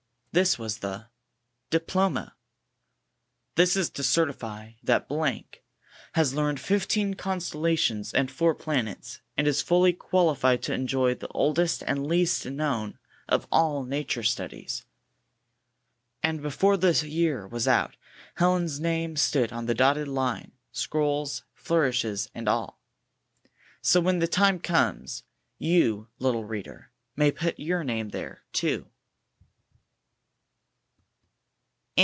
This was the DIPLOMA This is to certify that has learned fifteen constellations and four planets^ and is fully qualified to enjoy the oldest and least known of all Nature Studies. 62 And before the year was out, Helen's name stood on the dotted line, scrolls, flourishes, and all. So when the time comes, you, little reader, may put your name there, too.